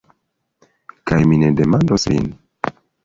Kaj mi ne demandos lin.